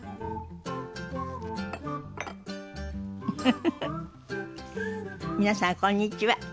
フフフフ皆さんこんにちは。